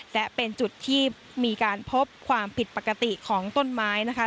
และเป็นจุดที่มีการพบความผิดปกติของต้นไม้นะคะ